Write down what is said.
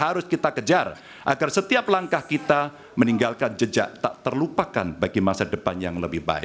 harus kita kejar agar setiap langkah kita meninggalkan jejak tak terlupakan bagi masa depan yang lebih baik